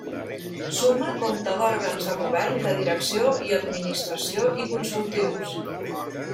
Suma compta d'òrgans de govern, de direcció i administració i consultius.